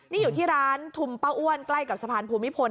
นี่อยู่ที่ร้านทุมเป้าอ้วนใกล้กับสะพานภูมิพล